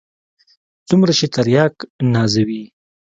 څومره چې ترياک نازوي.